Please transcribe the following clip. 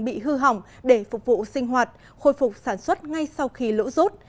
bị hư hỏng để phục vụ sinh hoạt khôi phục sản xuất ngay sau khi lũ rút